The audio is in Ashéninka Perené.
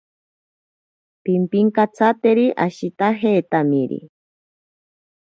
Pimpinkatsateri ashitajetamiri.